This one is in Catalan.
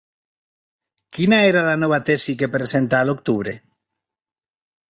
Quina era la nova tesi que presentà a l'octubre?